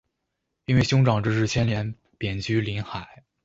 因为兄长之事牵连贬居临海。